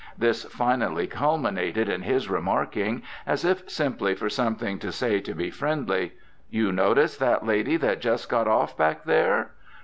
This finally culminated in his remarking, as if simply for something to say to be friendly, "You noticed that lady that just got off back there?